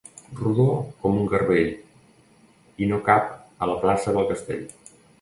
Rodó com un garbell i no cap a la plaça del Castell.